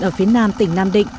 ở phía nam tỉnh nam định